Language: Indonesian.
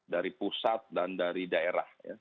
dari pusat dan dari daerah